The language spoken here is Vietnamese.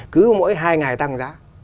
cứ mỗi hai ngày tăng giá